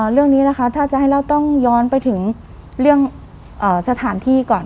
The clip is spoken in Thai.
เรื่องนี้นะคะถ้าจะให้เราต้องย้อนไปถึงเรื่องสถานที่ก่อน